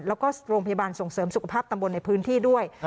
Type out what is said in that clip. แล้วก็โรงพยาบาลส่งเสริมสุขภาพตำบลในพื้นที่ด้วย